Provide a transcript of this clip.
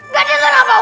gak ada kenapa